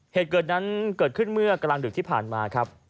เหตุเกิดนั้นเกิดขึ้นเมื่อกลางดึกที่ผ่านมาครับ